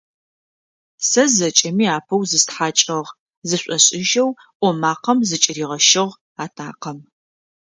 Сэ зэкӏэми апэу зыстхьакӏыгъ, - зышӏошӏыжьэу ӏо макъэм зыкӏыригъэщыгъ атакъэм.